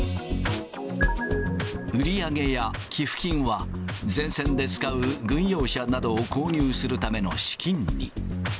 売り上げや寄付金は、前線で使う軍用車などを購入するための資金に。